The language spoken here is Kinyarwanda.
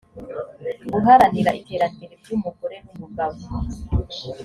guharanira iterambere ry umugore n umugabo